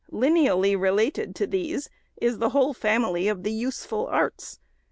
Lineally related to these is the whole family of the useful arts.